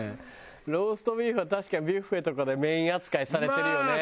ローストビーフは確かにビュッフェとかでメイン扱いされてるよね。